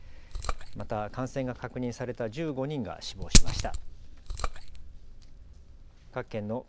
また感染が確認された１５人が死亡しました。